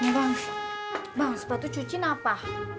bang bang sepatu cincin apa